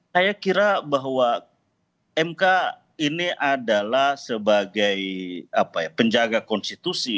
saya kira bahwa mk ini adalah sebagai penjaga konstitusi